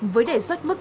với đề xuất mức tăng